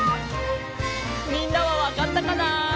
みんなはわかったかな？